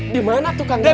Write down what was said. dimana tuh kang dadang